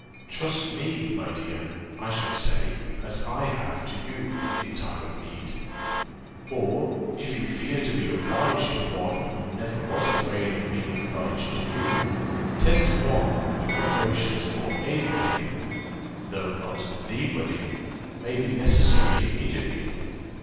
Trust me, my dear, I should say, as I have to you, in time of need. Or, if you fear to be obliged to one who never was afraid of being obliged to you, ten to one the preparations for a wedding, though not the wedding, may be necessary immediately.